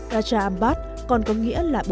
raja ampat còn có nghĩa là